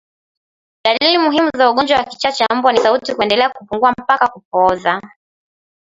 Dalili muhimu za ugonjwa wa kichaa cha mbwa ni sauti kuendelea kupungua mpaka kupooza